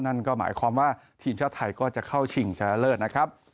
นั่นก็หมายความว่าทีมชาติไทยก็จะเข้าชิงชนะเลิศนะครับ